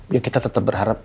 ya kita tetap berharap